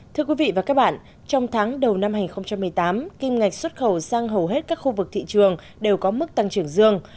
thưa quý vị và các bạn trong tháng đầu năm hai nghìn một mươi tám kim ngạch xuất khẩu sang hầu hết các khu vực thị trường đều có mức tăng trưởng dương